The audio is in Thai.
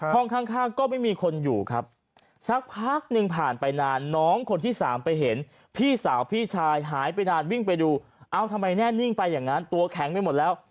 ห้องข้างก็ไม่มีคนอยู่ครับสักพักหนึ่งผ่านไปนานน้องคนที่สามไปเห็นพี่สาวพี่ชายหายไปนานวิ่งไปดูเอ้าทำไมแน่นิ่งไปอย่างนั้นตัวแข็งไปหมดแล้ว